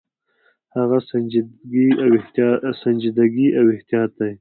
هغه سنجیدګي او احتیاط دی.